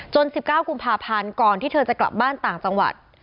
๑๙กุมภาพันธ์ก่อนที่เธอจะกลับบ้านต่างจังหวัด